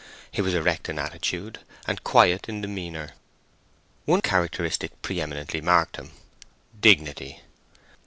He was erect in attitude, and quiet in demeanour. One characteristic pre eminently marked him—dignity.